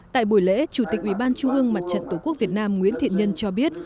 tại buổi lễ chủ tịch ủy ban trung ương mặt trận tổ quốc việt nam nguyễn thiện nhân cho biết